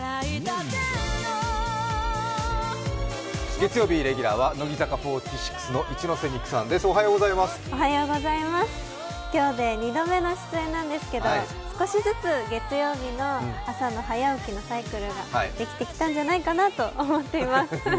月曜日、レギュラーは乃木坂４６の今日で２度目の出演なんですけど、少しずつ月曜日の朝の早起きのサイクルができてきたんじゃないかなと思っています。